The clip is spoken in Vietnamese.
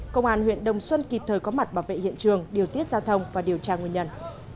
công an huyện đồng xuân kịp thời có mặt bảo vệ hiện trường điều tiết giao thông và điều tra nguyên nhân